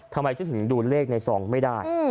ทำไมฉันถึงดูเลขในซองไม่ได้